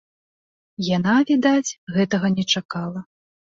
Яна, відаць, гэтага не чакала.